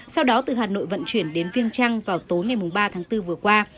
sau đó từ hà nội vận chuyển đến viên trăng vào tối ngày ba tháng bốn vừa qua